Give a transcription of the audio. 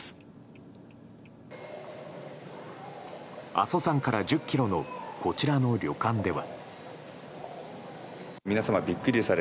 阿蘇山から１０ｋｍのこちらの旅館では。